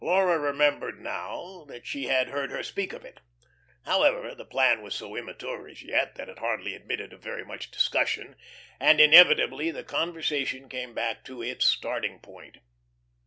Laura remembered now that she had heard her speak of it. However, the plan was so immature as yet, that it hardly admitted of very much discussion, and inevitably the conversation came back to its starting point.